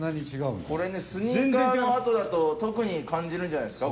これねスニーカーのあとだと特に感じるんじゃないですか？